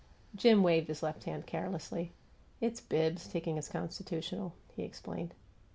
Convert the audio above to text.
Jim waved his left hand carelessly. "It's Bibbs, taking his constitutional," he explained.